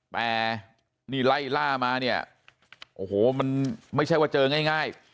แต่นี่ไล่ล่ามาเนี่ยโอ้โหมันไม่ใช่ว่าเจอง่าย